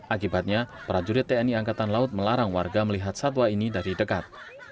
akibatnya prajurit tni angkatan laut melarang warga melihat satwa ini dari dekat